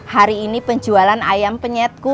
hari ini penjualan ayam penyetku